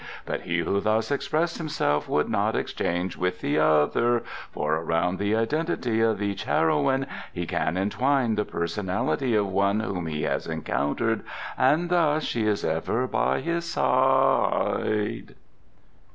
But he who thus expressed himself would not exchange with the other; For around the identity of each heroine he can entwine the personality of one whom he has encountered. And thus she is ever by his side."